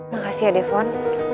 makasih ya defon